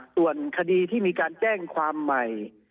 ส่วนคดีที่มีการแจ้งความใหม่